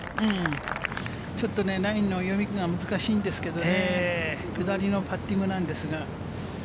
ちょっとラインの読みが難しいんですけれどもね、下りのパッティングなんですが。